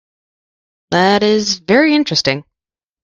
That is very interesting.